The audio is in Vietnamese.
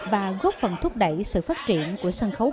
và góp phần thúc đẩy sự phát triển của sân khấu